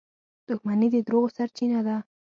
• دښمني د دروغو سرچینه ده.